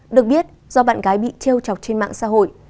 được biết do bạn gái bị treo chọc trên mạng xã hội